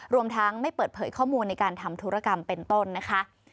รวมทั้งไม่เปิดเผยข้อมูลในการทำธุรกรรมเป็นต้นนะคะ